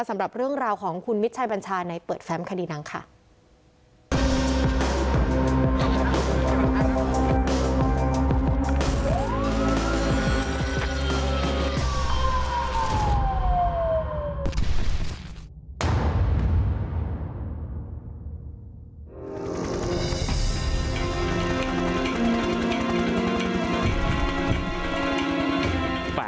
สำหรับเรื่องราวของคุณมิตรชัยบัญชาในเปิดแฟมคดีนั้นค่ะ